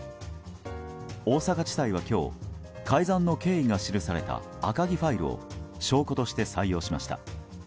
大阪地裁は今日改ざんの経緯が記された赤木ファイルを証拠として採用しました。